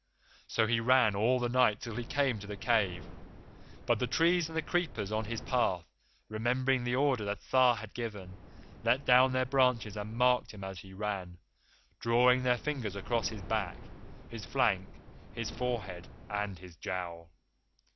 So he ran all the night till he came to the cave; but the trees and the creepers on his path, remembering the order that Tha had given, let down their branches and marked him as he ran, drawing their fingers across his back, his flank, his forehead, and his jowl.